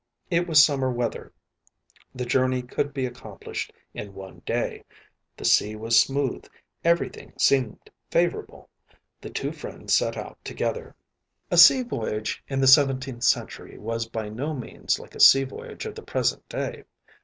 It was summer weather; the journey could be accomplished in one day; the sea was smooth; everything seemed favorable; the two friends set out together. A sea voyage in the seventeenth century was by no means like a sea voyage of the present day.